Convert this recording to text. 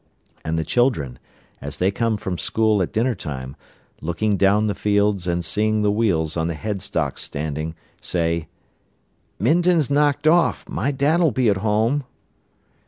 And the children, as they come from school at dinner time, looking down the fields and seeing the wheels on the headstocks standing, say: "Minton's knocked off. My dad'll be at home."